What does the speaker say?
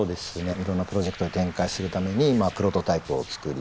いろんなプロジェクトを展開するためにプロトタイプを作りました。